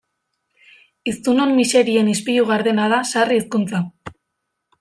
Hiztunon miserien ispilu gardena da sarri hizkuntza.